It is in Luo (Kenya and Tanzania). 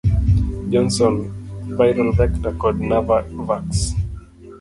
Johnson, Viral vector, kod Navavax.